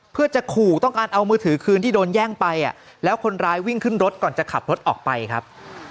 เพื่อจะขู่ต้องการเอามือถือคืนที่โดนแย่งไปแล้วคนร้ายวิ่งขึ้นรถก่อนจะขับรถออกไปครับ